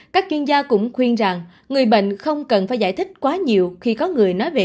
các chuyên gia cũng khuyên rằng người bệnh không cần phải giải thích quá nhiều khi có người nói về